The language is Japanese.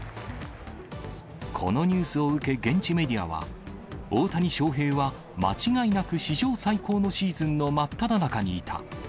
このニュースを受け現地メディアは、大谷翔平は、間違いなく史上最高のシーズンの真っただ中にいた。